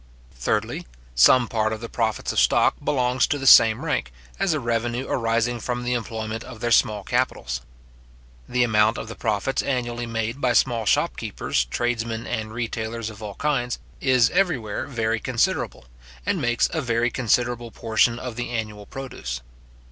Thirdly, some part of the profits of stock belongs to the same rank, as a revenue arising from the employment of their small capitals. The amount of the profits annually made by small shopkeepers, tradesmen, and retailers of all kinds, is everywhere very considerable, and makes a very considerable portion of the annual produce.